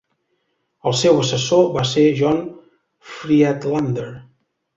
El seu assessor va ser John Friedlander.